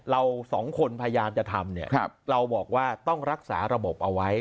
เราสองคนพยายามจะทำเนี่ยเราบอกว่าต้องรักษาระบบเอาไว้